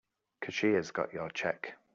Cashier's got your check.